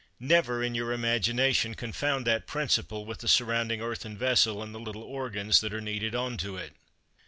Never, in your imagination, confound that principle with the surrounding earthen vessel and the little organs that are kneaded on to it.